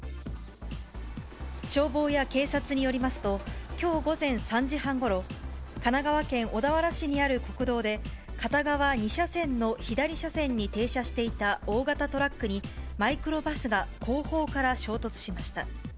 消防や警察によりますと、きょう午前３時半ごろ、神奈川県小田原市にある国道で、片側２車線の左車線に停車していた大型トラックにマイクロバスが後方から衝突しました。